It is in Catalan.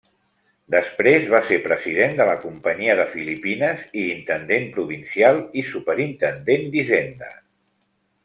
Després va ser president de la Companyia de Filipines i intendent provincial i superintendent d'Hisenda.